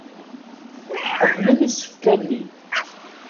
Qeblen isefka-nni.